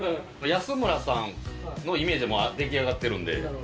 安村さんのイメージはもう出来上がってるんで。